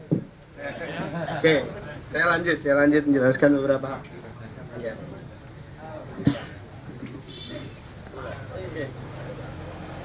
oke saya lanjut saya lanjut menjelaskan beberapa hal